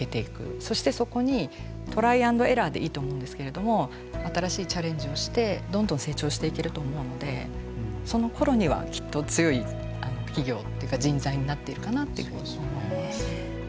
そしてそこに、トライ＆エラーでいいと思うんですけれども新しいチャレンジをしてどんどん成長していけると思うのでそのころにはきっと強い企業っていうか人材になっているかなというふうに思いますね。